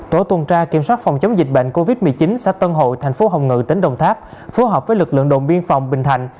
tổ tuần tra kiểm soát phòng chống dịch bệnh covid một mươi chín xã tân hội thành phố hồng ngự tỉnh đồng tháp phối hợp với lực lượng đồn biên phòng bình thạnh